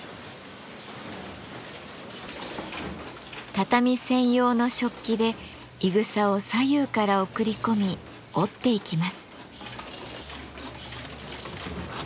畳専用の織機でいぐさを左右から送り込み織っていきます。